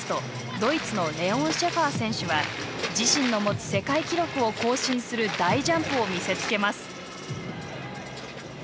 ドイツのレオン・シェファー選手は自身の持つ世界記録を更新する大ジャンプを見せつけます。